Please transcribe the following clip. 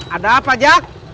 ada apa jack